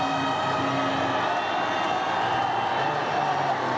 โอ้โอ้โอ้